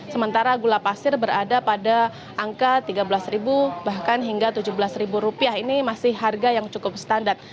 sementara gula pasir berada pada angka tiga belas bahkan hingga rp tujuh belas ini masih harga yang cukup standar